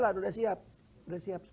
sudah sudah jalan sudah siap